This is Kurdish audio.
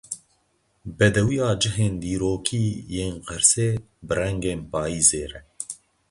Bedewiya cihên dîrokî yên Qersê bi rengên payizê re.